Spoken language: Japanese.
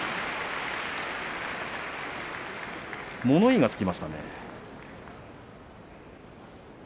物言いがつきましたね。